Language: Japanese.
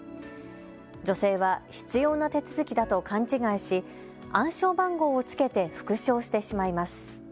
女性は必要な手続きだと勘違いし暗証番号をつけて復唱してしまいます。